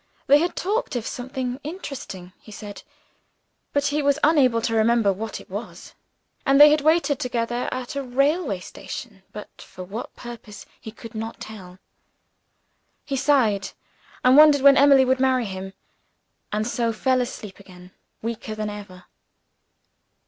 They had talked of something interesting, he said but he was unable to remember what it was. And they had waited together at a railway station but for what purpose he could not tell. He sighed and wondered when Emily would marry him and so fell asleep again, weaker than ever.